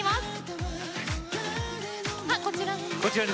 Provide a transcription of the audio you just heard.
こちらに。